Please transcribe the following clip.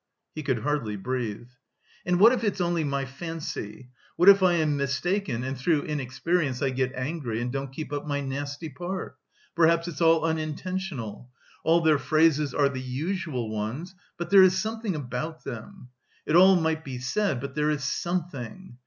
He could hardly breathe. "And what if it's only my fancy? What if I am mistaken, and through inexperience I get angry and don't keep up my nasty part? Perhaps it's all unintentional. All their phrases are the usual ones, but there is something about them.... It all might be said, but there is something.